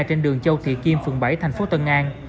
trên đường châu thị kim phường bảy thành phố tân an